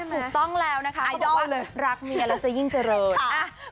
ถูกต้องแล้วนะคะเพราะว่ารักเมียแล้วจะยิ่งเจริญอ่ะไอดอลเลย